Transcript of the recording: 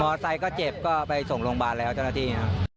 มอเตอร์ไซส์เจ็บก็ไปส่งโรงบาลแล้วเจ้าหน้าที่